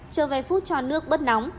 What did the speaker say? chờ vài phút cho nước bớt nóng